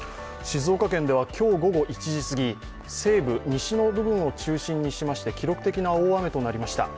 静岡県では今日午後１時過ぎ、西部、西の部分を中心にしまして、記録的な大雨となりました。